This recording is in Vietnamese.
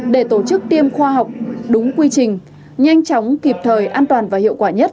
để tổ chức tiêm khoa học đúng quy trình nhanh chóng kịp thời an toàn và hiệu quả nhất